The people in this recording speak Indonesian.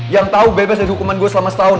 yang tahu bebas dari hukuman gue selama setahun